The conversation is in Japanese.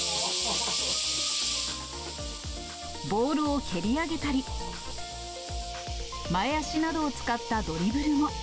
ボールを蹴り上げたり、前足などを使ったドリブルも。